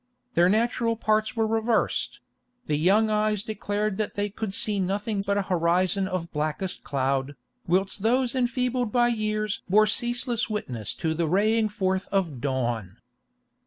Their natural parts were reversed; the young eyes declared that they could see nothing but an horizon of blackest cloud, whilst those enfeebled by years bore ceaseless witness to the raying forth of dawn.